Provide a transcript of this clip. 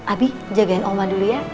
abi jagain oma dulu ya